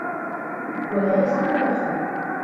وَلَا يُسْقِمُ نَفْسًا